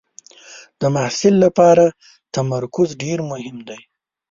د محصل لپاره تمرکز ډېر مهم دی.